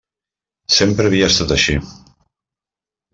Sempre havia estat així.